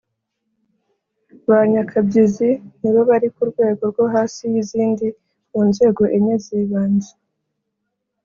ba nyakabyizi, ni bo bari ku rwego rwo hasi y’izindi mu nzego enye z’ibanze